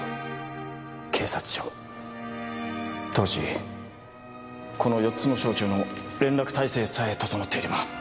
当時この４つの省庁の連絡体制さえ整っていれば。